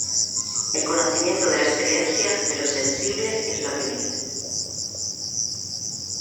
El conocimiento de la experiencia, de lo sensible es la opinión.